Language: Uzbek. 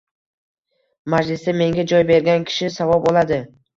Majlisda menga joy bergan kishi savob oladi.